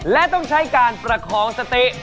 และต้องใช้การประคองสติ